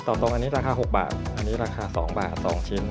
ตรงอันนี้ราคา๖บาทอันนี้ราคา๒บาท๒ชิ้น